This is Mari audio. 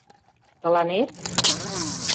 — Тыланет?